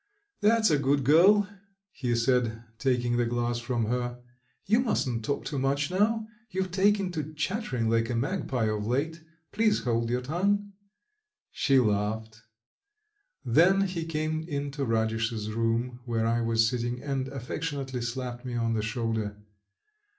"That's a good girl," he said, taking the glass from her. "You mustn't talk too much now; you've taken to chattering like a magpie of late. Please hold your tongue." She laughed. Then he came into Radish's room where I was sitting and affectionately slapped me on the shoulder.